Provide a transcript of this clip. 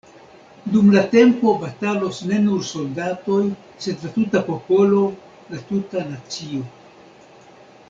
Dum la tempo batalos ne nur soldatoj, sed la tuta popolo, la tuta nacio.